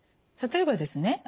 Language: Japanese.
例えばですね